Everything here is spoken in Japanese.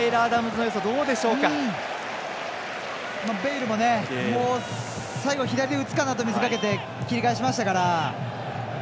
ベイルも最後左で打つかと見せかけて切り替えしましたから。